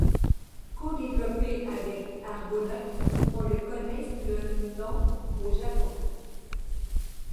Codéveloppé avec Argonaut, on le connaît sous le nom au Japon.